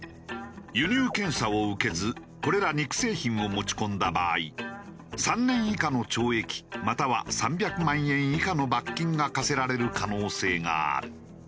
輸入検査を受けずこれら肉製品を持ち込んだ場合３年以下の懲役または３００万円以下の罰金が科せられる可能性がある。